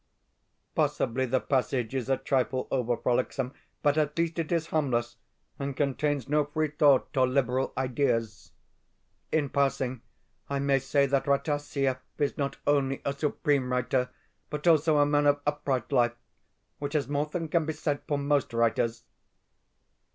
Possibly the passage is a trifle over frolicsome, but at least it is harmless, and contains no freethought or liberal ideas. In passing, I may say that Rataziaev is not only a supreme writer, but also a man of upright life which is more than can be said for most writers.